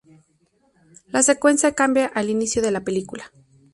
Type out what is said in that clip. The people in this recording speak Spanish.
La secuencia cambia a la del inicio de la película.